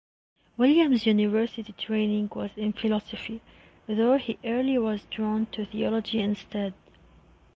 Wilhelm's university training was in philosophy, though he early was drawn to theology instead.